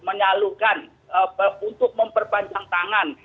menyalurkan untuk memperpanjang tangan